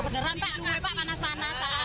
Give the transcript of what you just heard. berantak enggak enggak panas panas